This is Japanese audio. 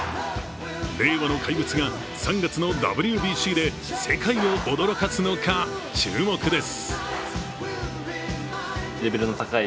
令和の怪物が３月のＷＢＣで世界を驚かすのか注目です。